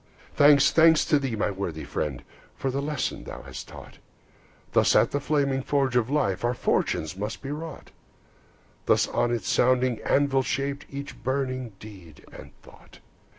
Thanks, thanks to thee, my worthy friend, For the lesson thou hast taught! Thus at the flaming forge of life Our fortunes must be wrought; Thus on its sounding anvil shaped Each burning deed and thought.